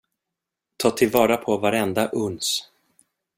Ta till vara på varenda uns.